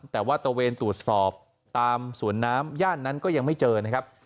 แต่ว่าตะเวนตรวจสอบตามสวนน้ำย่านนั้นก็ยังไม่เจอนะครับ